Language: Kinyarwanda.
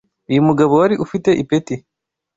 uyu mugabo wari ufite ipeti